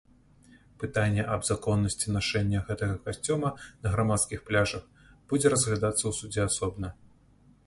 Пытанне аб законнасці нашэння гэтага касцюма на грамадскіх пляжах будзе разглядацца ў судзе асобна.